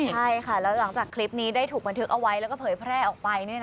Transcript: ใช่ค่ะแล้วหลังจากคลิปนี้ได้ถูกบันทึกเอาไว้แล้วก็เผยแพร่ออกไป